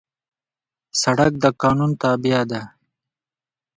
سړک د قانون تابع دی.